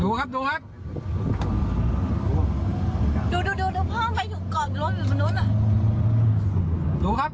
ดูครับเกาะหน้ารถไปแล้วนะครับ